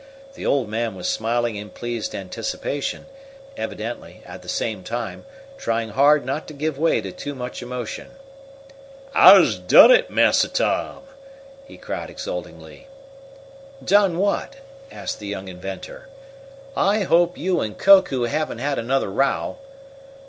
The old man was smiling in pleased anticipation, evidently, at the same time, trying hard not to give way to too much emotion. "I's done it, Massa Tom!" he cried exultingly. "Done what?" asked the young inventor. "I hope you and Koku haven't had another row."